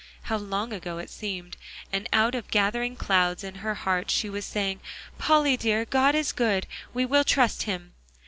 How long ago it seemed. And out of gathering clouds in her heart she was saying, "Polly dear, God is good. We will trust him."